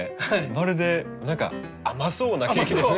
まるで何か甘そうなケーキですね。